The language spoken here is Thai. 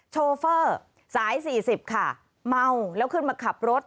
โชเฟอร์สาย๔๐ค่ะเมาแล้วขึ้นมาขับรถ